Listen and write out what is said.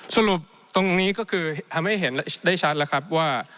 สรุปตรงนี้ก็คือทำให้เห็นได้ชัดแล้วครับว่า